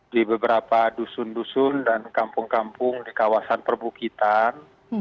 di beberapa dusun dusun dan kampung kampung di kawasan perbukitan